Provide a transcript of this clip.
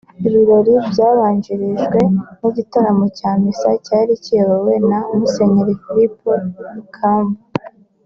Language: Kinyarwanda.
Ibirori byabanjirijwe n’igitambo cya misa cyari kiyobowe na Musenyeri Filipo Rukamba